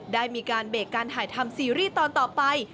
ได้มีการเบรกการถ่ายทำซีรีส์ตอนต่อไป